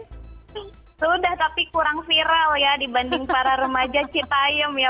sudah tapi kurang viral ya dibanding para remaja citaiem ya